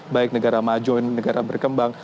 baik negara maju ini negara berkembang